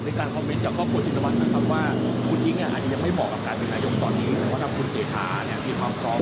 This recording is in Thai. โอ้คุณอิ๊งก์คุณอิ๊งก์มีความเหมาะครับ